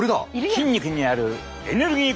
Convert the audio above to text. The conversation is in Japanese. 筋肉にあるエネルギー